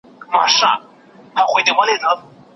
وروسته بله څېړنه هم ترسره شوه.